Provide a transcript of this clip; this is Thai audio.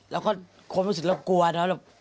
แล้วก็ความรู้สึกเรากลัวเนอะ